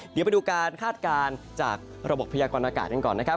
เดี๋ยวไปดูการคาดการณ์จากระบบพยากรณากาศกันก่อนนะครับ